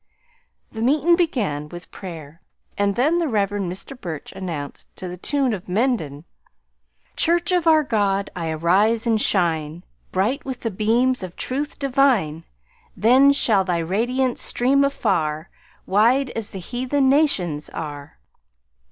The meeting began with prayer and then the Rev. Mr. Burch announced, to the tune of Mendon: "Church of our God I arise and shine, Bright with the beams of truth divine: Then shall thy radiance stream afar, Wide as the heathen nations are.